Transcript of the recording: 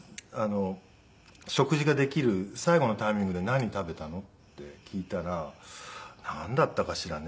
「食事ができる最後のタイミングで何食べたの？」って聞いたら「なんだったかしらね」